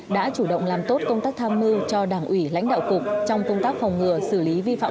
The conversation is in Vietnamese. đã chủ động làm tốt công tác tham mưu cho đảng ủy lãnh đạo cục trong công tác phòng ngừa xử lý vi phạm